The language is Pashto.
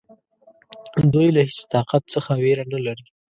دوی له هیڅ طاقت څخه وېره نه لري.